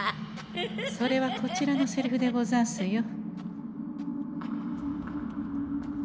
それはこちらのセリフでござんすよ。